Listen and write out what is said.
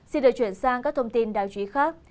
xin đưa chuyển sang các thông tin đáo chí khác